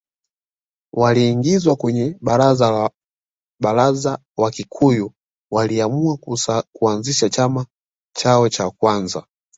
Aliingizwa kwenye Baraza Wakikuyu waliamua kuanzisha chama chao cha kwanza